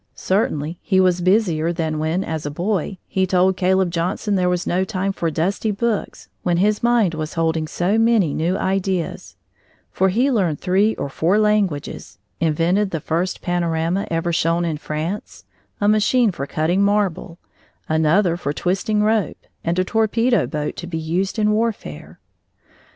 Certainly he was busier than when, as a boy, he told Caleb Johnson there was no time for dusty books when his mind was holding so many new ideas, for he learned three or four languages, invented the first panorama ever shown in France, a machine for cutting marble, another for twisting rope, and a torpedo boat to be used in warfare.